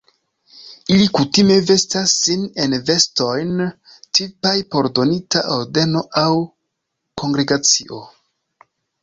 Ili kutime vestas sin en vestojn tipaj por donita ordeno aŭ kongregacio.